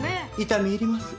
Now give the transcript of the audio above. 痛み入ります。